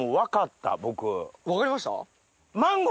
分かりました？